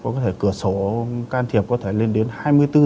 có thể cửa sổ can thiệp lên đến hai mươi bốn h